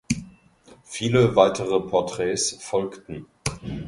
Viele weitere Porträts folgten.